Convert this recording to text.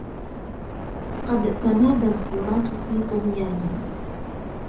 قد تمادى الفرات في طغيانه